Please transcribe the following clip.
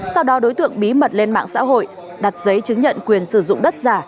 sau đó đối tượng bí mật lên mạng xã hội đặt giấy chứng nhận quyền sử dụng đất giả